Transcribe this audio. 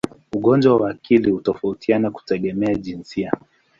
Ugonjwa wa akili hutofautiana kutegemea jinsia.